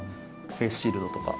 フェイスシールドとか。